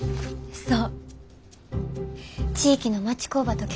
そう！